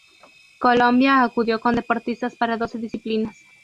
Colombia acudió con deportistas para doce disciplinas.